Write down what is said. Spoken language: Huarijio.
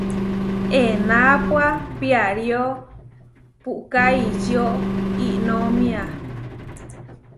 Enápua piarío puʼká ičió iʼnómia.